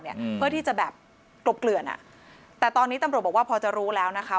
เพื่อที่จะแบบกลบเกลือนอ่ะแต่ตอนนี้ตำรวจบอกว่าพอจะรู้แล้วนะคะ